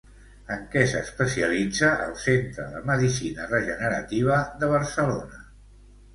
En què s'especialitza el Centre de Medicina Regenerativa de Barcelona?